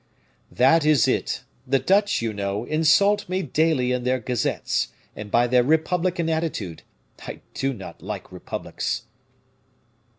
"That is it. The Dutch, you know, insult me daily in their gazettes, and by their republican attitude. I do not like republics."